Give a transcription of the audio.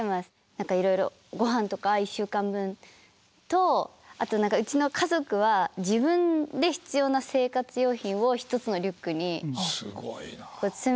何かいろいろごはんとか１週間分とあと何かうちの家族は自分で必要な生活用品を１つのリュックに詰めて。